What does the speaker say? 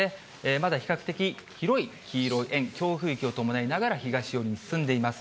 まだ比較的広い強風域を伴いながら、東寄りに進んでいます。